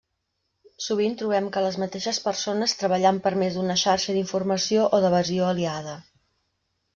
Sovint trobem que les mateixes persones treballant per més d’una xarxa d’informació o d’evasió aliada.